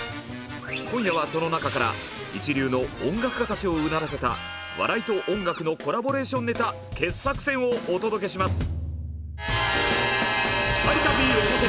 今夜はその中から一流の音楽家たちをうならせた笑いと音楽のコラボレーションネタ傑作選をお届けします。